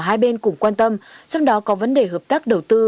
hai bên cũng quan tâm trong đó có vấn đề hợp tác đầu tư